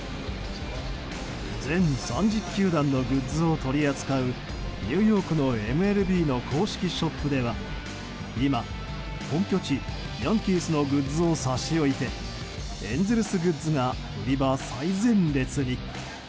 全３０球団のグッズを取り扱うニューヨークのＭＬＢの公式ショップでは今、本拠地ヤンキースのグッズを差し置いてエンゼルスグッズが売り場最前列に。